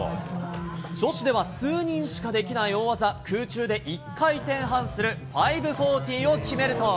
女子では数人しかできない大技、空中で１回転半する５４０を決めると。